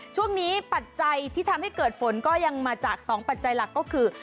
ปัจจัยที่ทำให้เกิดฝนก็ยังมาจาก๒ปัจจัยหลักก็คือ